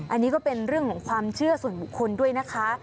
อันนี้ก็เป็นเรื่องของความเชื่อส่วนบุคคลด้วยนะคะ